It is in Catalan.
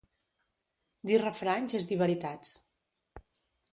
Dir refranys és dir veritats.